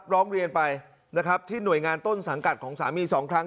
ร้องเรียนไปนะครับที่หน่วยงานต้นสังกัดของสามี๒ครั้ง